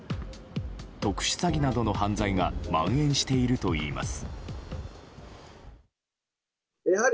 特殊詐欺などの犯罪が蔓延しているといいます。